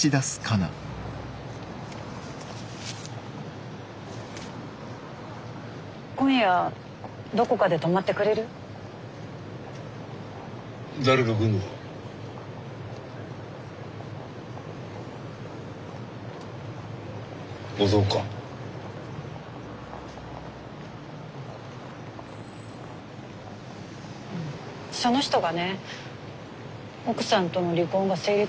その人がね奥さんとの離婚が成立したって言うの。